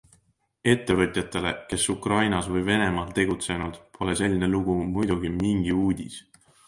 Ettevõtjatele, kes Ukrainas või Venemaal tegutsenud, pole selline lugu muidugi mingi uudis.